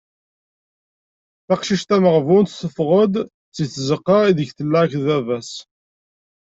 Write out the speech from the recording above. Taqcict tameɣbunt teffeɣ-d si tzeqqa ideg tella akked baba-s.